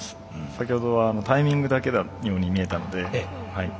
先ほどはタイミングだけのように見えたので。